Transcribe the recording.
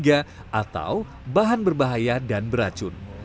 atau bahan berbahaya dan beracun